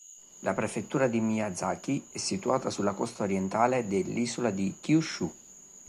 La prefettura di Miyazaki è situata sulla costa orientale dell'isola di Kyūshū.